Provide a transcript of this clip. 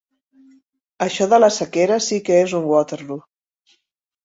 Això de la sequera sí que és un Waterloo.